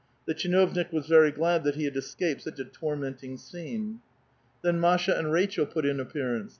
The tchinoonik was very glad that he had escaped such a tormenting scene. Then Masha and Rachel put in appearance.